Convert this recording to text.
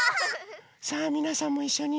さあみなさんもいっしょに。